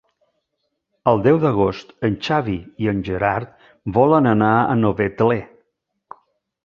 El deu d'agost en Xavi i en Gerard volen anar a Novetlè.